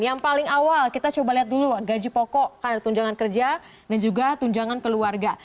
yang paling awal kita coba lihat dulu gaji pokok karena tunjangan kerja dan juga tunjangan keluarga